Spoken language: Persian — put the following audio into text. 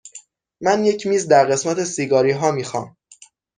من یک میز در قسمت سیگاری ها می خواهم.